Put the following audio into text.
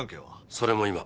それも今。